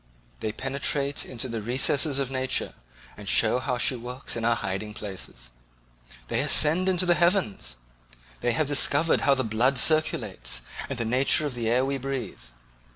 They penetrate into the recesses of nature and show how she works in her hiding places. They ascend into the heavens; they have discovered how the blood circulates, and the nature of the air we breathe.